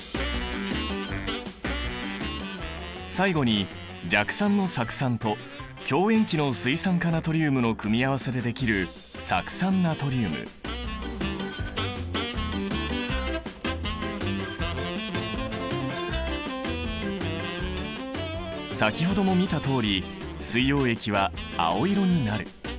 最後に弱酸の酢酸と強塩基の水酸化ナトリウムの組み合わせでできる先ほども見たとおり水溶液は青色になる。